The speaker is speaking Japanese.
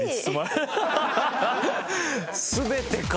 全てか。